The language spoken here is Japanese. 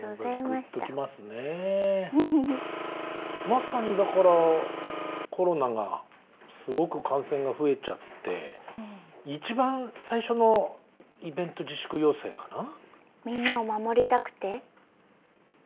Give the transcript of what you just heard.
まさにだからコロナがすごく感染が増えちゃって一番最初のイベント自粛要請かな。